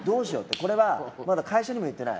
これはまだ会社にも言ってない。